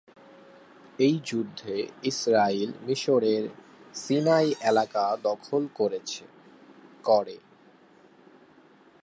এই যুদ্ধে ইসরাইল মিসরের সিনাই এলাকা দখল করে।